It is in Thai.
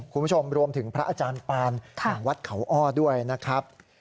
คุณผู้ชมรวมถึงพระอาจารย์ปานแห่งวัดเขาอ้อด้วยนะครับ